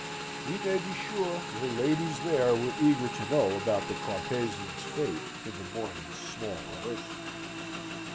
We may be sure the ladies there were eager to know about the Carpezan's fate in the morning's small rehearsal.